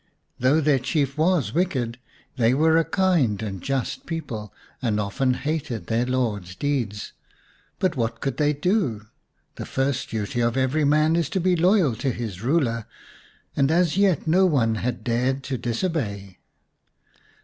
Though their Chief was wicked they were a kind and just people, and often hated their lord's deeds. But what could they do ? The 160 xiv The Story of Semai mai first duty of every man is to be loyal to his ruler, and as yet no one had dared to disobey.